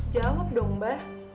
jawab dong mbah